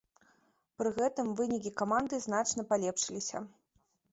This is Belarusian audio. Пры гэтым вынікі каманды значна палепшыліся.